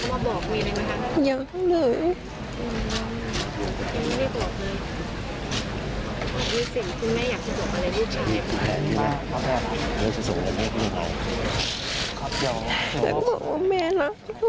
ก็บอกว่าแม่รักคุณคิดถึง